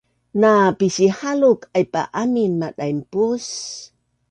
na pisihaluk aipa amin madainpus